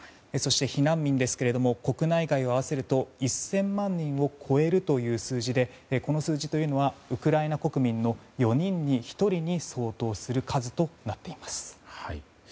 そして、避難民ですけど国内外を合わせると１０００万人を超えるという数字でこの数字というのはウクライナ国民の４人に１人に相当する数となっています。